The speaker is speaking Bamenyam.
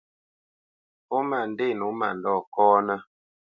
Ó ma ndê nǒ mandɔ̂ kɔ́nə́.